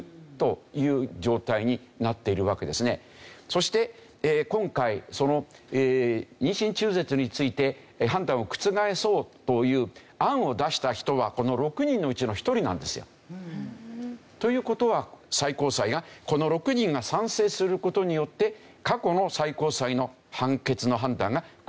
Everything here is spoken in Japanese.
そして今回その妊娠中絶について判断を覆そうという案を出した人はこの６人のうちの１人なんですよ。という事は最高裁がこの６人が賛成する事によって過去の最高裁の判決の判断が覆されるんじゃないか。